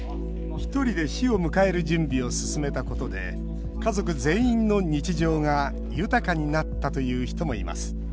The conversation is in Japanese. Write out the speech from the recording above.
ひとりで死を迎える準備を進めたことで家族全員の日常が豊かになったという人もいます。